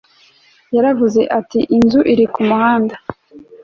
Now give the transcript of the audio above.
yaravuze ati “ inzu iri ku muhanda